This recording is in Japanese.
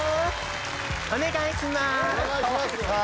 お願いしまーす。